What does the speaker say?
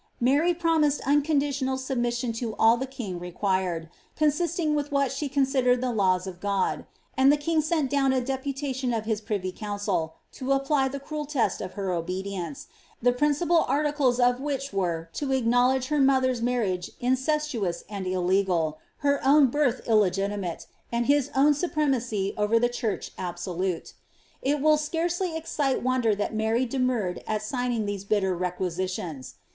Mary promised unconditional submission to all the king required, consistent with what she considered the laws of God ; and the king sent down a deputation of his privy council' to apply the cruel test d[ her obedience, the principal articles of which were, to acknowledge her mother's marriage incestuous and illegal, her own birth illegitimate, and his own supremacy over the church absolute. It will scarcely excite wonder that Mary demurred at signing these bitter requisitions.